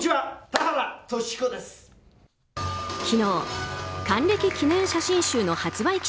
昨日、還暦記念写真集の発売